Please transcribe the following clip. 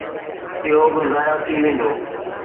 اهو به ضايع ٿي ويندو.